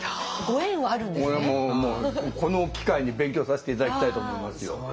俺もこの機会に勉強させて頂きたいと思いますよ。